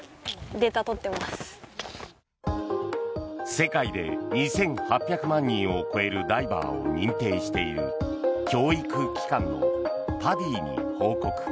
世界で２８００万人を超えるダイバーを認定している教育機関のＰＡＤＩに報告。